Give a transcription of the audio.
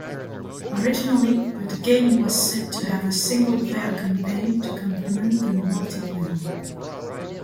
Originally, the game was set to have a single-player campaign to complement the multiplayer.